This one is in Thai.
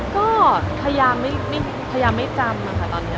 ก็พยายามไม่จำค่ะตอนนี้